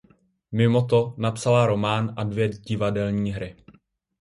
Mimo to napsala román a dvě divadelní hry.